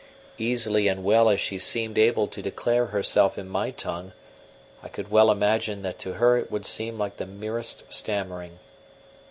Easily and well as she seemed able to declare herself in my tongue, I could well imagine that to her it would seem like the merest stammering.